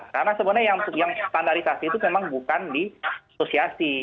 karena sebenarnya yang standarisasi itu memang bukan di asosiasi